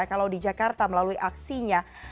kalau di jakarta melalui aksinya